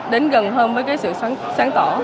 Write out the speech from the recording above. đến gần hơn với cái sự sáng tỏ